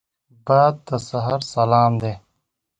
باد د سحر سلام دی